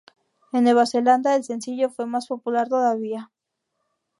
En Nueva Zelanda, el sencillo fue más popular todavía.